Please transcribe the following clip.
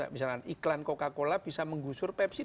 misalnya iklan coca cola bisa menggusur pepsi